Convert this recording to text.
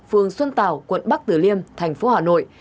phường xuân tảo quận bắc tử liêm thành phố hà nội